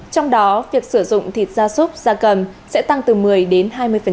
trong đó việc sử dụng thịt gia súc gia cầm sẽ tăng từ một mươi đến hai mươi